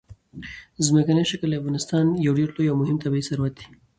ځمکنی شکل د افغانستان یو ډېر لوی او مهم طبعي ثروت دی.